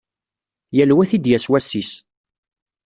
Yal wa ad t-id-yas wass-is.